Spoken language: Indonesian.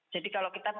jadi kalau kita bisa